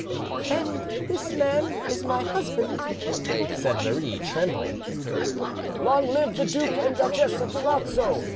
"And this man is my husband," said Marie, trembling. "Long live the Duke and Duchess of Durazzo!"